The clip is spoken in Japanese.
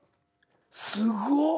すごっ。